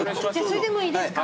それでもいいですか？